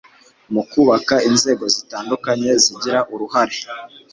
mu kubaka inzego zitandukanye zigira uruhare